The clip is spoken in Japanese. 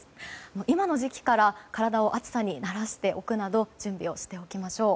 今の時期から体を暑さに慣らしておくなど準備をしておきましょう。